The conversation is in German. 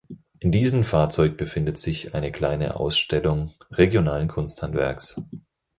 In diesen Fahrzeug befindet sich eine kleine Ausstellung regionalen Kunsthandwerks.